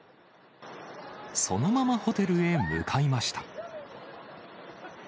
そのままホテルへ向かいました。